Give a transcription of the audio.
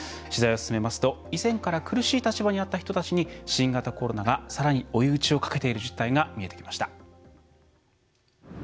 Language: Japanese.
取材を進めますと、以前から苦しい立場にあった人たちに新型コロナがさらに追い打ちをかけている実態が見えてきました。